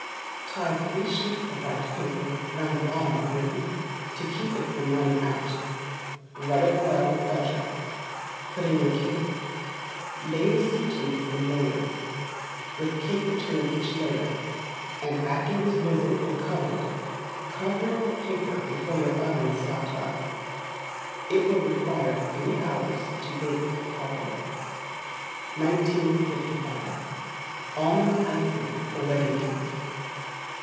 Tie three sheets of white paper round the bottom of your hoop to keep it from running out; rub it well with butter, put in your cake; lay the sweetmeats in layers; with cake between each layer; and after it is risen and coloured cover it with paper before your oven is stopped up. It will require three hours to bake properly. [MORNING FOR WORK, EVENING FOR CONTEMPLATION.] 1955. Almond Icing for Wedding Cake.